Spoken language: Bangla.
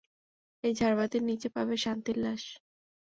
এই ঝারবাতির নীচে পাবে শান্তির লাশ।